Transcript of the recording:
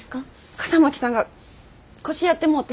笠巻さんが腰やってもうて。